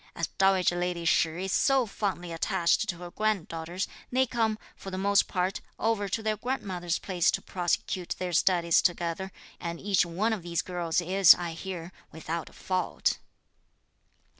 As dowager lady Shih is so fondly attached to her granddaughters, they come, for the most part, over to their grandmother's place to prosecute their studies together, and each one of these girls is, I hear, without a fault."